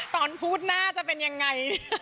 ตอนพูดน่าจะเป็นยังไง